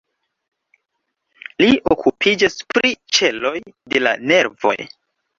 Li okupiĝas pri ĉeloj de la nervoj.